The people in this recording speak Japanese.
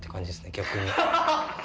逆に。